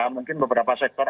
mungkin beberapa sektor